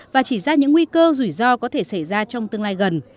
và chỉ ra những nguy cơ rủi ro có thể xảy ra trong tương lai gần